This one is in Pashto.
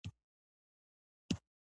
شتمنۍ د نژادي توپیرونو لامل شوه.